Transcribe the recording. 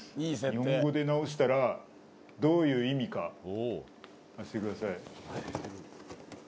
日本語で直したらどういう意味か当ててください